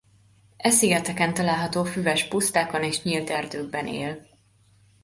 E szigeteken található füves pusztákon és nyílt erdőkben él.